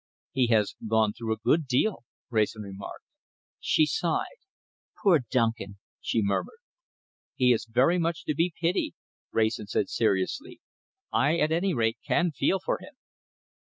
"He has gone through a good deal," Wrayson remarked. She sighed. "Poor Duncan!" she murmured. "He is very much to be pitied," Wrayson said seriously. "I, at any rate, can feel for him."